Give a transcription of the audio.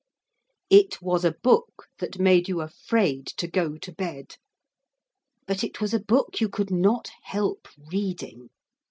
It was a book that made you afraid to go to bed; but it was a book you could not help reading.